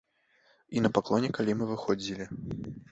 І на паклоне, калі мы выходзілі.